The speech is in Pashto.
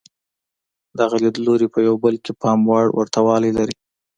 دغه لیدلوري په یو بل کې پام وړ ورته والی لري.